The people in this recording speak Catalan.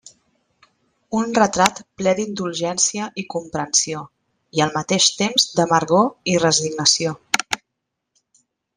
Un retrat ple d'indulgència i comprensió, i al mateix temps d'amargor i resignació.